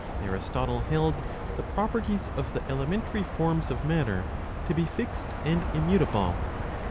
Aristotle held the properties of the elementary forms of matter to be fixed and immutable.